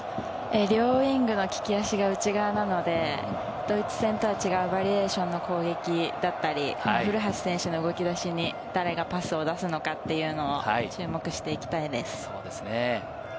両ウイングの利き足が右側なので、ドイツ戦とは違うバリエーションの攻撃だったり、古橋選手の動き出しに誰がパスを出すのかというのを注目していきたいです。